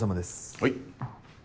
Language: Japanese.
はい。